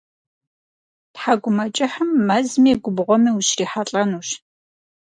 Тхьэкӏумэкӏыхьым мэзми губгъуэми ущрихьэлӏэнущ.